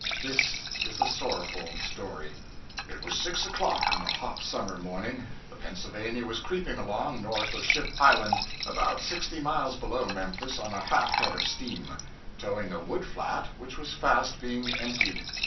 This is the sorrowful story It was six o'clock on a hot summer morning. The 'Pennsylvania' was creeping along, north of Ship Island, about sixty miles below Memphis on a half head of steam, towing a wood flat which was fast being emptied.